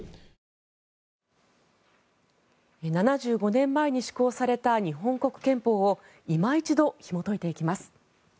７５年前に施行された日本国憲法をいま一度、ひもといていきます。